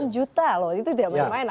delapan juta loh itu tidak bermain main